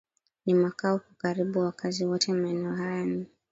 ni makao kwa karibu wakazi wote Maeneo haya ni